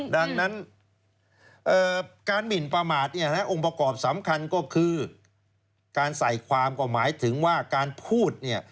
ดังนั้นการหมินประมาทองค์ประกอบสำคัญก็คือการใส่ความก็หมายถึงว่าการพูดเนี่ย